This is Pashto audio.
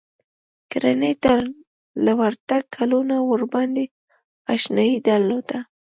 کرنې ته له ورتګ کلونه وړاندې اشنايي درلوده.